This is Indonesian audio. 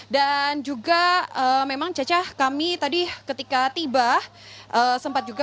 dan juga memang caca kami tadi ketika tiba